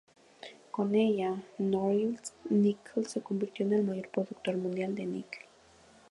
Con ella Norilsk Nickel se convirtió en el mayor productor mundial de nickel.